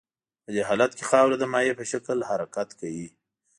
په دې حالت کې خاوره د مایع په شکل حرکت کوي